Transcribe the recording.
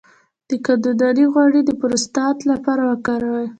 د کدو دانه غوړي د پروستات لپاره وکاروئ